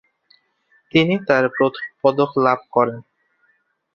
তিনি তার প্রথম পদক লাভ করেন।